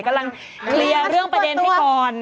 กำลังเคลียร์เรื่องประเด็นให้ก่อน